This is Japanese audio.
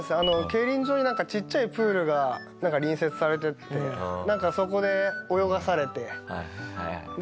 競輪場にちっちゃいプールが隣接されててなんかそこで泳がされて。